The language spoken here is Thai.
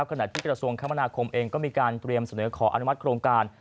ขณะที่กระทรวงคมนาคมเองก็มีการเตรียมเสนอขออนุมัติโครงการ